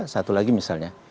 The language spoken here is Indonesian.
satu lagi misalnya